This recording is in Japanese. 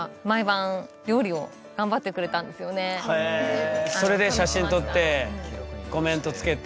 その時にそれで写真撮ってコメントつけて。